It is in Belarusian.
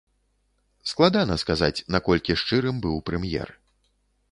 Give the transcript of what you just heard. Складана сказаць, наколькі шчырым быў прэм'ер.